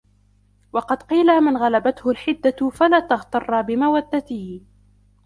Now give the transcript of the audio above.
وَقَدْ قِيلَ مَنْ غَلَبَتْهُ الْحِدَةُ فَلَا تَغْتَرَّ بِمَوَدَّتِهِ